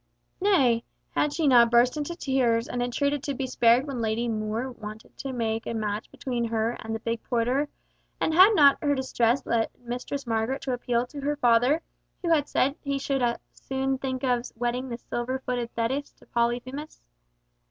Nay, had she not burst into tears and entreated to be spared when Lady More wanted to make a match between her and the big porter, and had not her distress led Mistress Margaret to appeal to her father, who had said he should as soon think of wedding the silver footed Thetis to Polyphemus.